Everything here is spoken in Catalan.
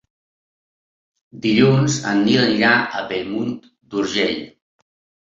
Dilluns en Nil anirà a Bellmunt d'Urgell.